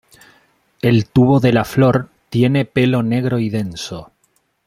El tubo de la flor tiene pelo negro y denso.